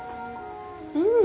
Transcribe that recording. うん。